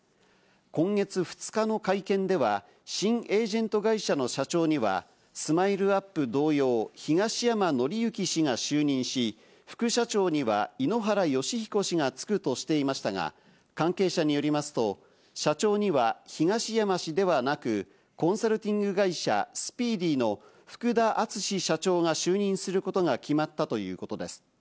今月２日の会見では、新エージェント会社の社長にはＳＭＩＬＥ‐ＵＰ．同様、東山紀之氏が就任し、副社長には井ノ原快彦氏が就くとしていましたが、関係者によりますと、社長には東山氏ではなく、コンサルティング会社スピーディの福田淳社長が就任することが決まったということです。